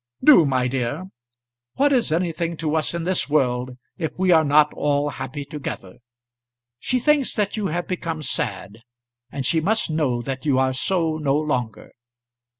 "Do, my dear. What is anything to us in this world, if we are not all happy together? She thinks that you have become sad, and she must know that you are so no longer."